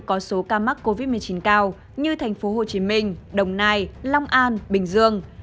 có số ca mắc covid một mươi chín cao như thành phố hồ chí minh đồng nai long an bình dương